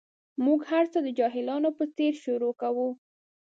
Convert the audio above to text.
موږ هر څه د جاهلانو په څېر شروع کوو.